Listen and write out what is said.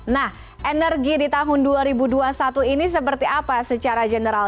nah energi di tahun dua ribu dua puluh satu ini seperti apa secara general